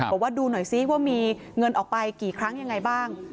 บอกว่าดูหน่อยซิว่ามีเงินออกไปกี่ครั้งยังไงบ้าง